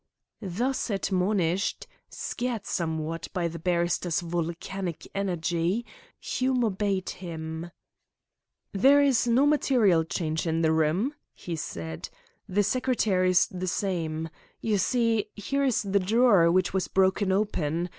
Thus admonished, scared somewhat by the barrister's volcanic energy, Hume obeyed him. "There is no material change in the room," he said. "The secretaire is the same. You see, here is the drawer which was broken open.